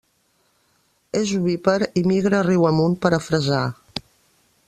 És ovípar i migra riu amunt per a fresar.